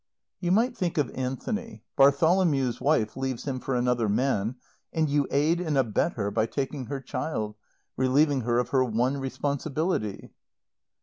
"You might think of Anthony. Bartholomew's wife leaves him for another man, and you aid and abet her by taking her child, relieving her of her one responsibility."